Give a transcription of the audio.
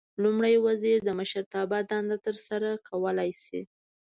لومړی وزیر د مشرتابه دنده ترسره کولای شي.